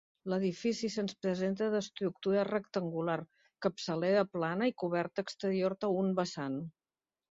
L'edifici se'ns presenta d'estructura rectangular, capçalera plana i coberta exterior a un vessant.